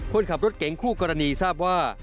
คนขับรถเก๋งคู่กรณีทราบว่า